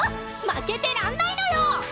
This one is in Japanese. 負けてらんないのよ！